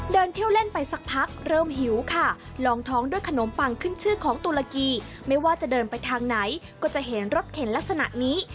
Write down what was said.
เดินเที่ยวเล่นไปสักพักเริ่มหิวค่ะลองท้องด้วยขนมปังขึ้นชื่อของตุลกีไม่ว่าจะเดินไปทางไหนก็จะเห็นรถเข็นลักษณะนี้